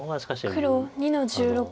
黒２の十六。